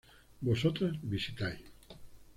Vosotras visitáis